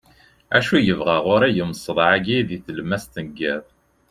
acu yebɣa ɣur-i umseḍḍeɛ-agi deg tlemmast n yiḍ